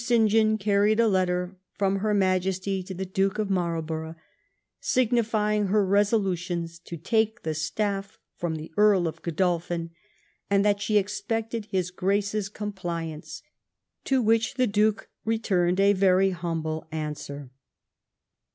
John carried a letter from her Majesty to the Duke of Marlborough, signi fjring her resolutions to take the staff from the Earl of Oodolphin, and that she expected his Grace's com pliance; to which the Duke returned a very humble answer."